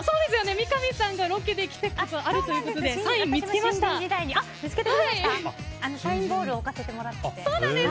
三上さんがロケで来たことあるということでサインボールを置かせてもらって。